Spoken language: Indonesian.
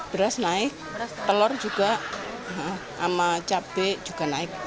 beras naik telur juga sama cabai juga naik